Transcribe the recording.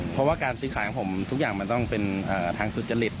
เพราะว่าการซื้อขายของผมทุกอย่างมันต้องเป็นทางสุจริต